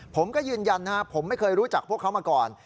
ผมก็ยืนยันนะครับผมไม่เคยรู้จักพวกเขามาก่อน